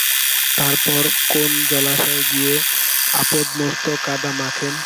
তারপর কোন জলাশয়ে গিয়া আপাদমস্তক কাদা মাখেন।